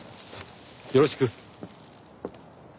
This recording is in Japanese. よろしく。